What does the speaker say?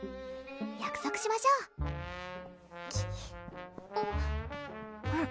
約束しましょうおっ？